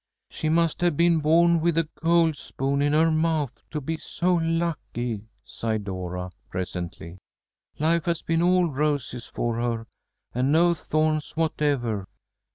"She must have been born with a gold spoon in her mouth, to be so lucky," sighed Dora, presently. "Life has been all roses for her, and no thorns whatever."